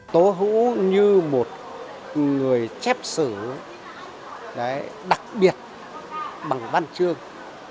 tố hữu như một người chép sử đặc biệt bằng văn chương